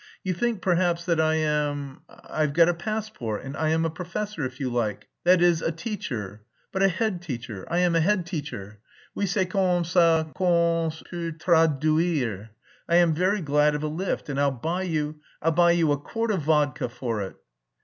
"You think perhaps that I am... I've got a passport and I am a professor, that is, if you like, a teacher... but a head teacher. I am a head teacher. Oui, c'est comme ça qu'on peut traduire. I should be very glad of a lift and I'll buy you... I'll buy you a quart of vodka for it."